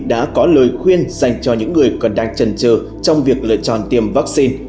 đã có lời khuyên dành cho những người còn đang trần trờ trong việc lựa chọn tiêm vaccine